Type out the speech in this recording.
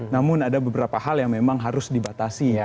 namun ada beberapa hal yang memang harus dibatasi ya